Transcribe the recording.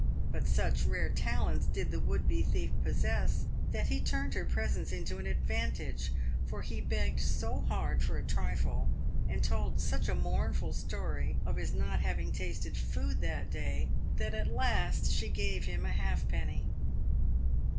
But such rare talents did the would be thief possess, that he turned her presence into an advantage, for he begged so hard for a trifle, and told such a mournful story of his not having tasted food that day, that at last she gave him a halfpenny.